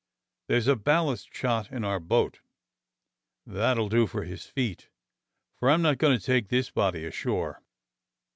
There's a ballast shot in our boat that'll do for his feet, for I'm not going to take this body ashore.